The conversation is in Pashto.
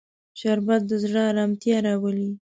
شربت د زړه ارامتیا راولي